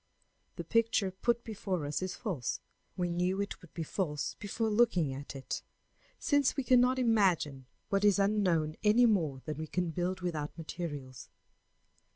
The picture put before us is false; we knew it would be false before looking at it, since we cannot imagine what is unknown any more than we can build without materials.